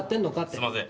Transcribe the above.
すいません。